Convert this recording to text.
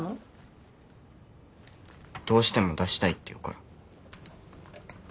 どうしても出したいって言うから。